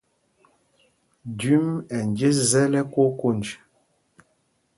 Jüm ɛ́ njes zɛl ɛkonj konj.